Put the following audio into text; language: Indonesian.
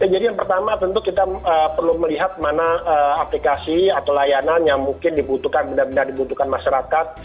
jadi yang pertama tentu kita perlu melihat mana aplikasi atau layanan yang mungkin dibutuhkan benar benar dibutuhkan masyarakat